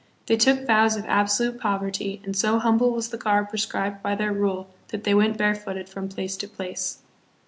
They took vows of absolute poverty, and so humble was the garb prescribed by their rule that they went barefooted from place to place.